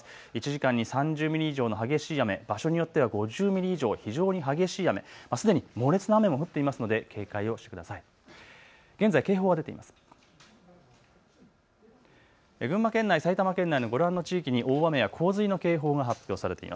１時間に３０ミリ以上の激しい雨場所によっては５０ミリ以上、非常に激しい雨、すでに猛烈な雨も降っていますので警戒をしてください。